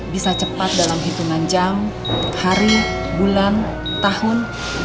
bisa cepat dalam hitungan jam hari bulan tahun